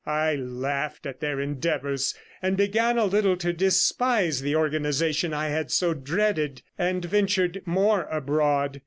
I laughed at their endeavours, and began a little to despise the organization I had so dreaded, and ventured more abroad.